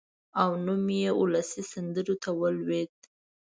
او نوم یې اولسي سندرو ته ولوېد.